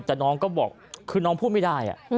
แต่น้องก็บอกคือน้องพูดไม่ได้